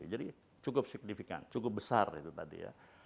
jadi cukup signifikan cukup besar itu tadi